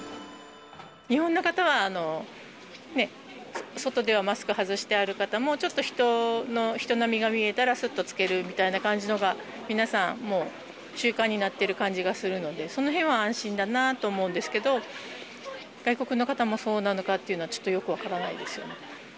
日本の方は、外ではマスク外している方も、ちょっと人波が見えたら、すっと着けるみたいな感じのが、皆さん、もう習慣になっている感じがするので、そのへんは安心だなと思うんですけど、外国の方もそうなのかっていうのは、ちょっとよく分からないですよね。